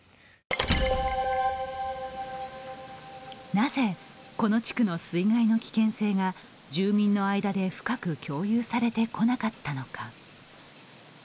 なぜこの地区の水害の危険性が住民の間で深く共有されてこなかったのか。